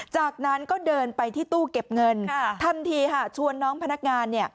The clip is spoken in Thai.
จากนั้นก็เดินไปที่ตู้เก็บเงินทำทีชวนน้องพนักงาน